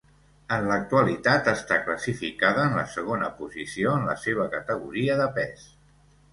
En l'actualitat està classificada en la segona posició en la seva categoria de pes.